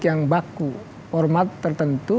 yang baku hormat tertentu